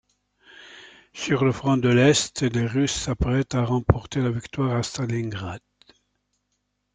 Sur le front de l'Est, les Russes s'apprêtent à remporter la victoire à Stalingrad.